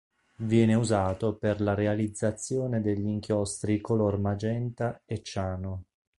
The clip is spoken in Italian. Viene usato per la realizzazione degli inchiostri color magenta e ciano.